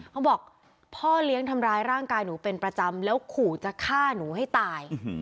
พ่อบอกพ่อเลี้ยงทำร้ายร่างกายหนูเป็นประจำแล้วขู่จะฆ่าหนูให้ตาย